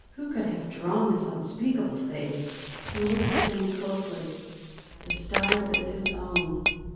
Who could have drawn this unspeakable thing? He looks again closely; the style is his own!